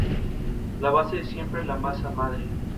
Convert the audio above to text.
La base es siempre la masa madre.